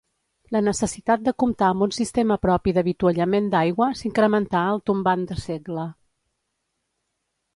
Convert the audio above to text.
La necessitat de comptar amb un sistema propi d'avituallament d'aigua s'incrementà al tombant de segle.